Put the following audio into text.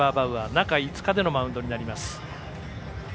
中５日でのマウンドになります。